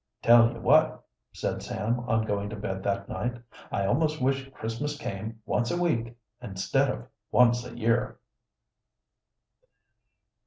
"Tell you what," said Sam on going to bed that night, "I almost wish Christmas came once a week instead of once a year!"